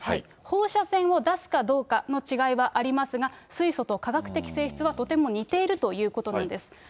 放射線を出すかどうかの違いはありますが、水素と科学的性質は、とても似ているということなんです。